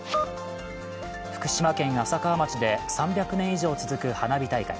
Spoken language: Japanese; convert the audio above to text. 福島県浅川町で３００年以上続く花火大会。